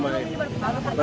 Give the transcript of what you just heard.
sebelumnya udah pernah